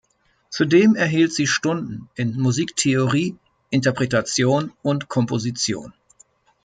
Zudem erhielt sie Stunden in Musiktheorie, Interpretation, und Komposition.